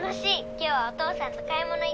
今日はお父さんと買い物行った。